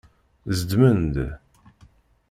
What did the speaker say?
Zedmen-d.